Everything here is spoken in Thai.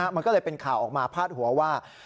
มันก็เลยเป็นข่าวออกมาพาดหัวว่า